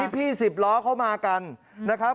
พี่๑๐ล้อเขามากันนะครับ